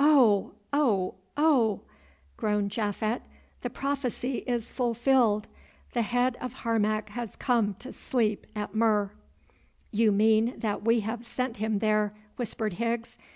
"Oh! oh! oh!" groaned Japhet, "the prophecy is fulfilled—the head of Harmac has come to sleep at Mur." "You mean that we have sent him there," whispered Higgs.